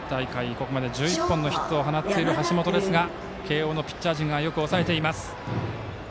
ここまで１１本のヒットを放っている橋本ですが慶応のピッチャー陣がよく抑えています。